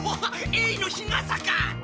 エイの日傘か。